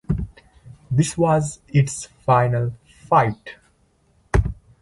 This was its final fight.